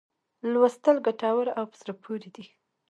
لوستل ګټور او په زړه پوري دي.